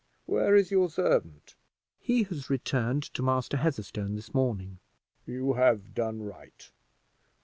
Where is your servant?" "He has returned to Master Heatherstone this morning." "You have done right.